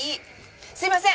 すいません！